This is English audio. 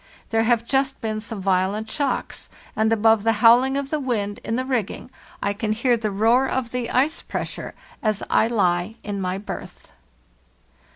there have just been some violent shocks, and above the howling of the wind in the rigging I can hear the roar of the ice pressure as I lie in my berth."